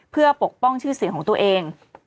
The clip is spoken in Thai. เพื่อปกป้องชื่อเสียงของตัวเอง